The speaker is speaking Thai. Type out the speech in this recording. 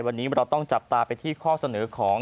วันนี้เราต้องจับตาไปที่ข้อเสนอของ